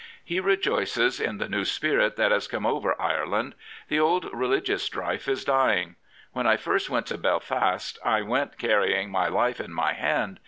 He rejoices in the new spirit that has come over Ireland. The old religious strife is d3^ng. " When I first went to Belfast, I went carrying my life in my hand.